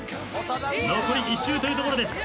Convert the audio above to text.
残り１周というところです。